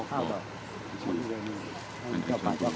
สวัสดีครับ